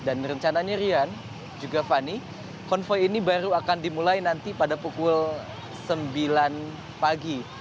dan rencananya rian juga fani konvoy ini baru akan dimulai nanti pada pukul sembilan pagi